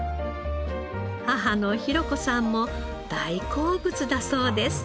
母の宏子さんも大好物だそうです。